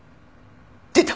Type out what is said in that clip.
出た！